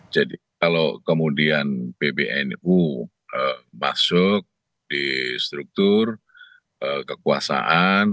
jadi kalau kemudian pbnu masuk di struktur kekuasaan